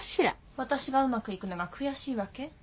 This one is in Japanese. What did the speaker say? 私がうまくいくのが悔しいわけ？